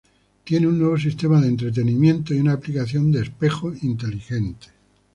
Tiene un nuevo sistema de entretenimiento y una aplicación de "espejo inteligente".